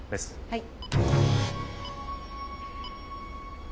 はい。